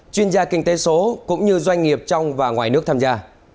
chuyên gia kinh tế số cũng như doanh nghiệp trong và ngoài nước tham gia